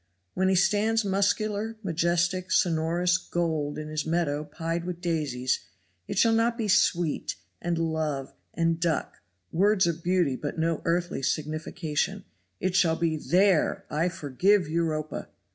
When he stands muscular, majestic, sonorous, gold, in his meadow pied with daisies, it shall not be "sweet" and "love" and "duck" words of beauty but no earthly signification; it shall be, "There, I forgive Europa."